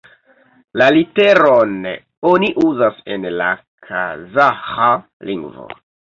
La literon oni uzas en la Kazaĥa lingvo.